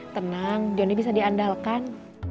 tenang jonny bisa diandalkan